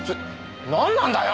なんなんだよ？